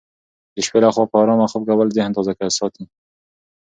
د شپې لخوا په ارامه خوب کول ذهن تازه ساتي.